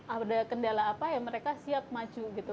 ada kendala apa ya mereka siap maju gitu